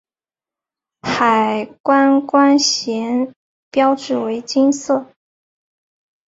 海关关衔标志为金色。